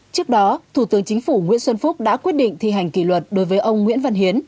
trước đó thủ tướng chính phủ nguyễn xuân phúc đã quyết định thi hành kỷ luật đối với ông nguyễn văn hiến